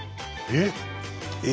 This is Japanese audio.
えっ？